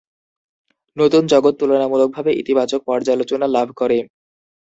নতুন জগৎ তুলনামূলকভাবে ইতিবাচক পর্যালোচনা লাভ করে।